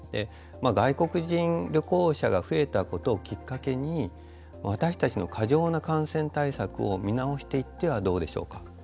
外国人旅行者が増えたことをきっかけに私たちの過剰な感染対策を見直していってはどうでしょうか。